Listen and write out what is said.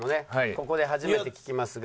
ここで初めて聴きますが。